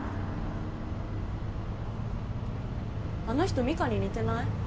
あの人美香に似てない？